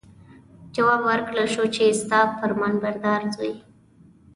جواب ورکړل شو چې ستا فرمانبردار زوی.